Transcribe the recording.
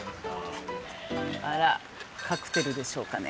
あらカクテルでしょうかね